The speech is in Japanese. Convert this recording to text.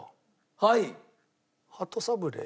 はい。